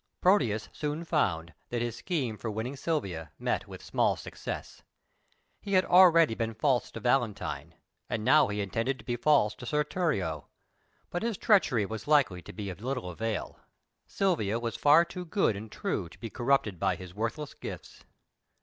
Proteus soon found that his scheme for winning Silvia met with small success. He had already been false to Valentine, and now he intended to be false to Sir Thurio; but his treachery was likely to be of little avail. Silvia was far too good and true to be corrupted by his worthless gifts.